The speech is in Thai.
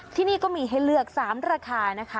ที่นี่ก็มีให้เลือก๓ราคานะคะ